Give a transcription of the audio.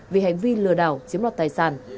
vì hành vi lừa đảo chiếm đoạt tài sản